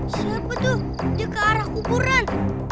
siapa tuh dia ke arah kuburan